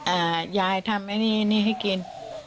อ่ายายทำอันนี้อันนี้ให้กิน